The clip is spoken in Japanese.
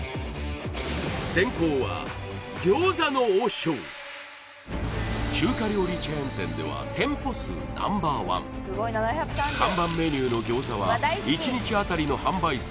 先攻は中華料理チェーン店では店舗数Ｎｏ．１看板メニューの餃子は１日あたりの販売数